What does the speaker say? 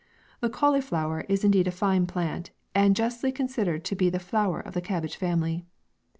The cauliflower is indeed a fine plant, and justly considered to be the flower of the cab bage family.